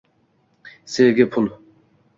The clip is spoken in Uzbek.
Sevgi – pul